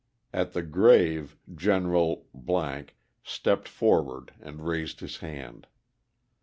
At the grave, General stepped forward and raised his hand.